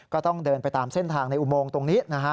ก็ต้องเดินไปตามเส้นทางในอุโมงตรงนี้นะฮะ